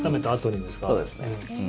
そうです。